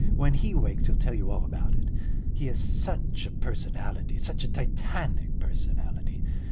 When he wakes he'll tell you all about it. He is such a personality, such a titanic personality!